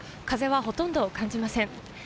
風はほとんど感じません。